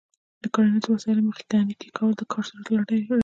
د کرنیزو وسایلو میخانیکي کول د کار سرعت لوړوي.